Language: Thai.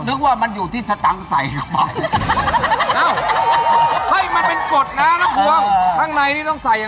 หวายยังไม่ได้ดีอีกอ่ะ